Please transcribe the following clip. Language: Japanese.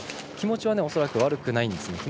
気持ちは恐らく悪くないんです。